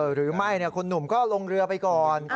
หรือไม่คุณหนุ่มก็ลงเรือไปก่อน